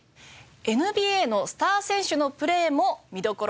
ＮＢＡのスター選手のプレーも見どころです。